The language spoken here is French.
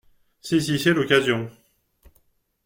Saisissez l’occasion.